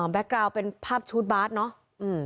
กราวเป็นภาพชุดบาสเนาะ